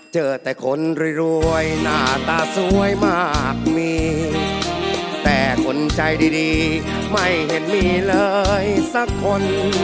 เจอแต่คนรวยหน้าตาสวยมากมีแต่คนใจดีไม่เห็นมีเลยสักคน